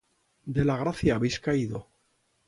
de la gracia habéis caído.